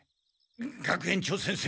学園長先生。